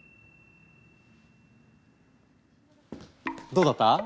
どうだった？